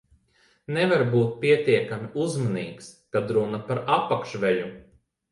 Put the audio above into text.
Nevar būt pietiekami uzmanīgs, kad runa par apakšveļu.